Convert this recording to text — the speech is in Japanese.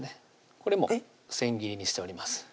これも千切りにしております